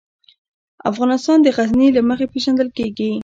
افغانستان د غزني له مخې پېژندل کېږي.